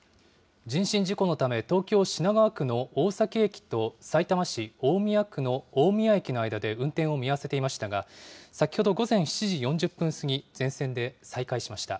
人身事故のため、東京・品川区の大崎駅とさいたま市大宮区の大宮駅の間で運転を見合わせていましたが、先ほど午前７時４０分過ぎ、全線で再開しました。